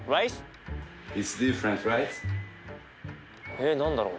えっ何だろう？